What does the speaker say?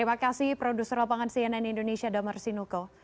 menuju ke arah tol semarang